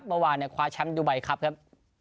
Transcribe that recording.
เมื่อวานเนี่ยคว้าแชมป์ดูไบครับครับ